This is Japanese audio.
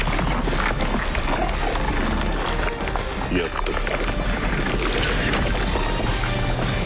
やったか。